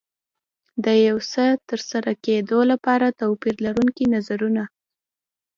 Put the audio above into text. د یو څه ترسره کېدو لپاره توپير لرونکي نظرونه.